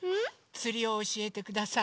つりをおしえてください。